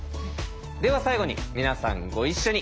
では最後に皆さんご一緒に。